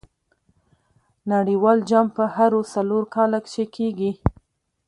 نړۍوال جام په هرو څلور کاله کښي کیږي.